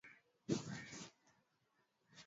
dini isiingizwe katika shughuli za serekali Tayyip